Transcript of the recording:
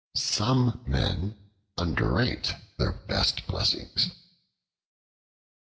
Some men underrate their best blessings.